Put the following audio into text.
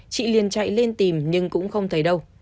chị liền chạy lên tìm nhưng cũng không thấy đâu